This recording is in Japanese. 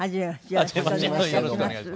よろしくお願いします。